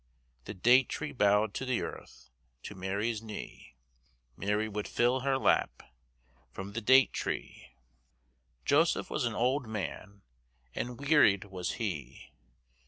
The date tree bowed to the earth, To Mary's knee; Mary would fill her lap From the date tree. Joseph was an old man, And wearied was he.